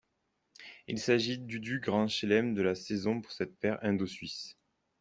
Il s'agit du du Grand chelem de la saison pour cette paire indo-suisse.